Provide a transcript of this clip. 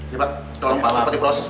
ya pak tolong pak cepat di proses